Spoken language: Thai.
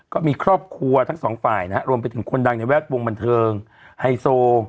ก็มีครอบครัวทั้งสองฝ่ายนะฮะรวมไปถึงคนดังในแวดวงบันเทิงไฮโซ